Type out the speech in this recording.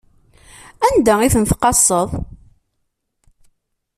Anda i ten-tqaseḍ?